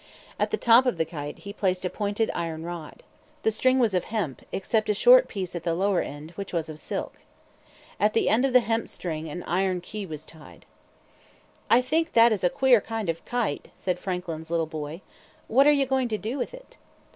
At the top of the kite he placed a pointed iron rod. The string was of hemp, except a short piece at the lower end, which was of silk. At the end of the hemp string an iron key was tied. "I think that is a queer kind of kite," said Franklin's little boy. "What are you going to do with it?"